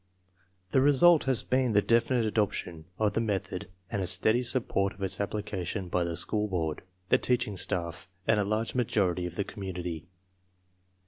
The result has been the definite adoption of the method and a steady support of its application by the school board, the teaching staff, and a large majority of the community.